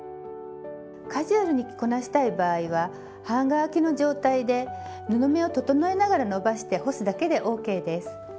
カジュアルに着こなしたい場合は半乾きの状態で布目を整えながら伸ばして干すだけでＯＫです。